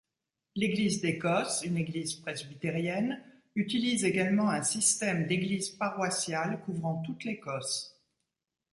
L'Église d'Écosse, une Église presbytérienne, utilise également un système d'églises paroissiales, couvrant toute l'Écosse.